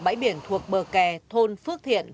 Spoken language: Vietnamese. bãi biển thuộc bờ kè thôn phước thiện